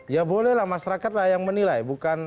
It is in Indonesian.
ya bolehlah masyarakat yang menilai